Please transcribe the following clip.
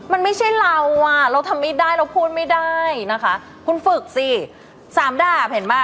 มันไม่ใช่เราอ่ะเราทำไม่ได้เราพูดไม่ได้นะคะคุณฝึกสิสามดาบเห็นป่ะ